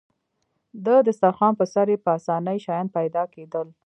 د دسترخوان پر سر يې په اسانۍ شیان پیدا کېدل.